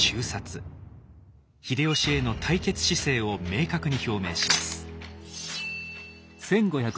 秀吉への対決姿勢を明確に表明します。